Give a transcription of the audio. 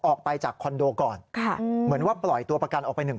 ออกไปจากคอนโดก่อนค่ะเหมือนว่าปล่อยตัวประกันออกไปหนึ่ง